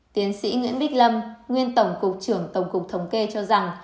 tiến sĩ nguyễn bích lâm nguyên tổng cục trưởng tổng cục thống kê cho rằng